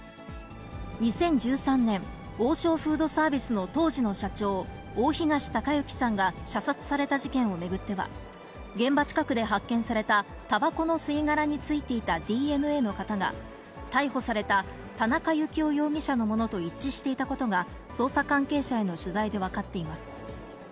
２０１３年、王将フードサービスの当時の社長、大東隆行さんが射殺された事件を巡っては、現場近くで発見されたたばこの吸い殻に付いていたＤＮＡの型が、逮捕された田中幸雄容疑者のものと一致していたことが捜査関係者への取材で分かっています。